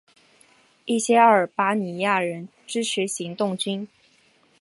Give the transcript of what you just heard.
一些阿尔巴尼亚人支持行动军。